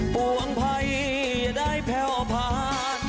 ปวงไผ่อย่าได้แผ่วผ่าน